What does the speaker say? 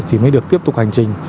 thì mới được tiếp tục hành trình